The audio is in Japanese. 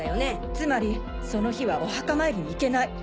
つまりその日はお墓参りに行けない。